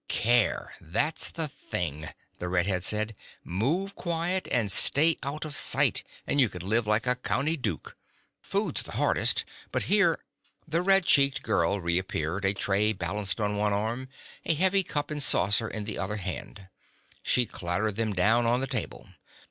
"Care, that's the thing," the red head said. "Move quiet, and stay out of sight, and you can live like a County Duke. Food's the hardest, but here " The red cheeked girl reappeared, a tray balanced on one arm, a heavy cup and saucer in the other hand. She clattered them down on the table.